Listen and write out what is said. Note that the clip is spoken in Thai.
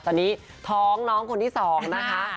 ตอนนี้ท้องน้องคนที่๒นะคะ